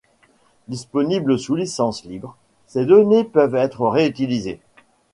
Disponible sous licence libre, ces données peuvent être réutilisées.